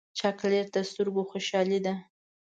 چاکلېټ د سترګو خوشحالي ده.